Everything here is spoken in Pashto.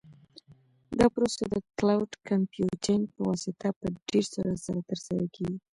دا پروسه د کلاوډ کمپیوټینګ په واسطه په ډېر سرعت ترسره کیږي.